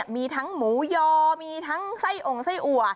มีทั้งหมูยอมีทั้งไส้องไส้อัว